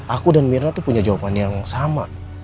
aku dan mirna tuh punya jawaban yang sama